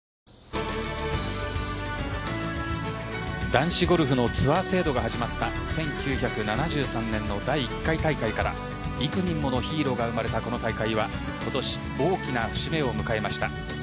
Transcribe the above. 男子ゴルフのツアー制度が始まった１９７３年の第１回大会から幾人ものヒーローが生まれたこの大会は今年、大きな節目を迎えました。